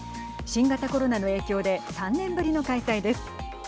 新型コロナの影響で３年ぶりの開催です。